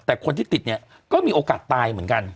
แต่คนที่ติดเนี่ยก็มีโอกาสตายเหมือนกัน